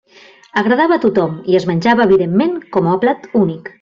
Agradava a tothom i es menjava evidentment com a plat únic.